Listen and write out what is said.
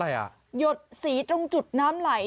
หยดสีตรงจุดน้ำไหล